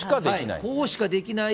これしかできない。